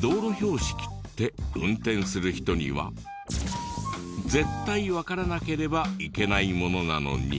道路標識って運転する人には絶対わからなければいけないものなのに。